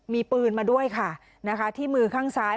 มีปืนมาด้วยค่ะนะคะที่มือข้างซ้าย